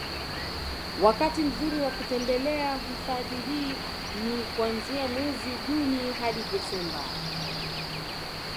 Wakati mzuri wa kutembelea hifadhi hii ni kuanzia mwezi Juni hadi Desemba